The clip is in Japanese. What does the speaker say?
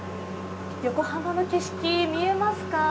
横浜の景色、見えますか？